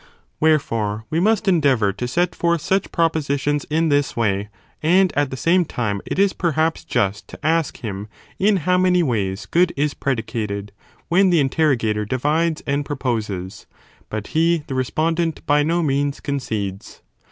Wherefore we must endeavour to set forth such propositions in this way, and at the same time it is perhaps just to ask him in how many ways good is predicated, when the (interrogator) divides and proposes, but he (the respondent) by no means concedes..